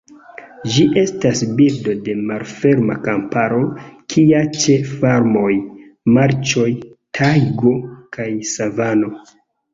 Ĝi estas birdo de malferma kamparo kia ĉe farmoj, marĉoj, tajgo kaj savano.